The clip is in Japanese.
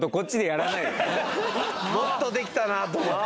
もっとできたなと思って。